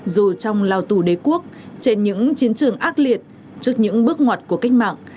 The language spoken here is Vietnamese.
dù trong lao tù đế quốc trên những chiến trường ác liệt trước những bước ngọt của kết mạng